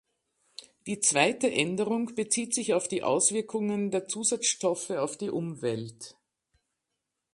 Die zweite Änderung bezieht sich auf die Auswirkungen der Zusatzstoffe auf die Umwelt.